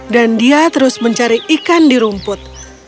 dan dia terus mencari ikan di rumput